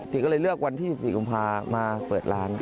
ก็เลยเลือกวันที่๑๔กุมภามาเปิดร้าน